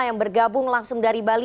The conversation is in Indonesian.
yang bergabung langsung dari bali